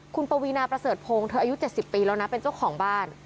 คุณปวีนาประเสริฐพงศ์เธออายุ๗๐ปีแล้วนะเป็นเจ้าของบ้าน